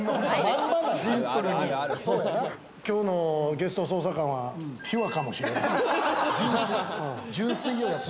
きょうのゲスト捜査官はピュアかもしれん。